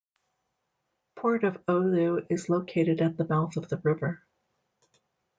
Port of Oulu is located at the mouth of the river.